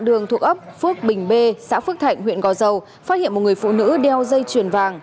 cướp phước bình b xã phước thạnh huyện gò dầu phát hiện một người phụ nữ đeo dây chuyền vàng